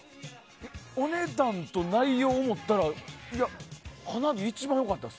お値段と内容を思ったら花火、一番良かったです。